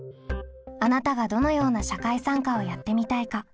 あなたがどのような社会参加をやってみたいか。